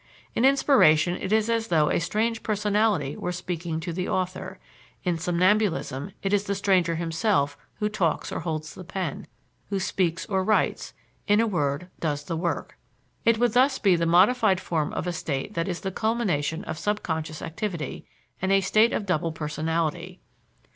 In inspiration it is as though a strange personality were speaking to the author; in somnambulism it is the stranger himself who talks or holds the pen, who speaks or writes in a word, does the work." It would thus be the modified form of a state that is the culmination of subconscious activity and a state of double personality.